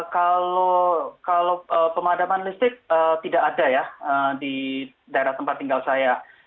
kalau pemadaman listrik tidak ada ya di daerah tempat tinggal saya